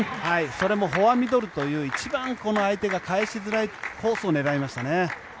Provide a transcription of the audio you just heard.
それもフォアミドルという一番相手が返しづらいコースを狙いましたね。